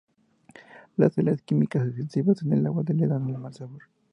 Las sales químicas excesivas en el agua le dan mal sabor.